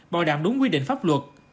bảo đảm đúng quy định pháp luật